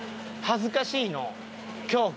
恥ずかしい？